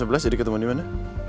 ini jam sebelas jadi ketemu di mana